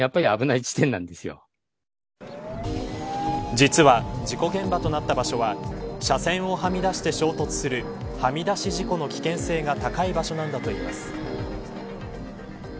実は、事故現場となった場所は車線をはみ出して衝突するはみ出し事故の危険性が高い場所なんだといいます。